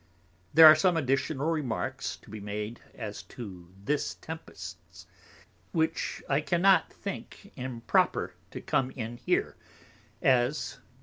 There are some additional Remarks to be made as to this Tempests, which I cannot think improper to come in here: As, 1.